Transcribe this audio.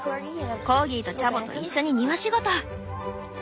コーギーとチャボと一緒に庭仕事！